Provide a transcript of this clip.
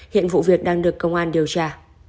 hiện vụ việc đang được công an điều tra